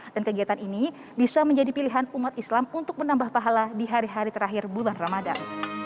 dan kegiatan ini bisa menjadi pilihan umat islam untuk menambah pahala di hari hari terakhir bulan ramadan